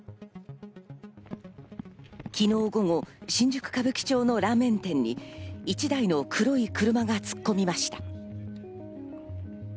昨日午後、新宿・歌舞伎町のラーメン店に１台の黒い車が突っ込みました。